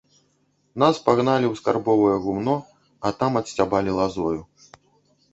Нас пагналі ў скарбовае гумно, а там адсцябалі лазою.